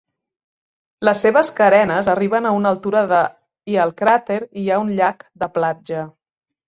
Les seves carenes arriben a una altura de i al cràter hi ha un llac de platja.